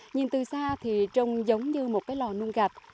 nhìn từ xa thì trông giống như một cái lò nuông gạch